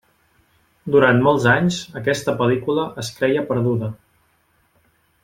Durant molts anys, aquesta pel·lícula, es creia perduda.